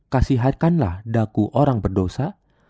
kasihkanlah daku orang berdosa